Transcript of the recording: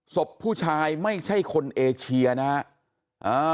ศพผู้ชายไม่ใช่คนเอเชียนะฮะ